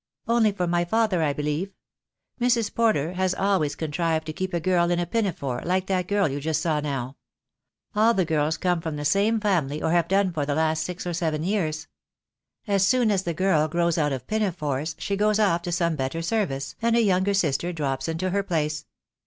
"Only for my father, I believe. Mrs. Porter has al Avays contrived to keep a girl in a pinafore, like that girl you saw just now. All the girls come from the same family, or have done for the last six or seven years. As soon as the girl grows out of pinafores she goes off to some better service, and a younger sister drops into her place."